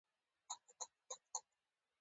ما ته د چين د ښاپېرو خبرې څه له کوې